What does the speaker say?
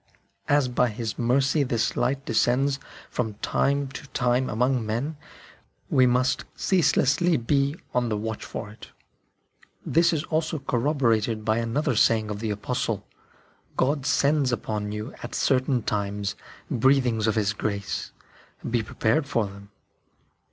As by His mercy this light descends from time to time among men, we must ceaselessly be on the watch for it. This is also corroborated by another saying of the Apostle :" God sends upon you, at certain times, breathings of His grace ; be prepared for them."